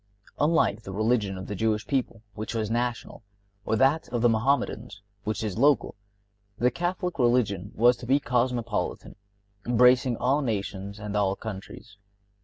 Unlike the religion of the Jewish people, which was national, or that of the Mohammedans, which is local, the Catholic religion was to be cosmopolitan, embracing all nations and all countries.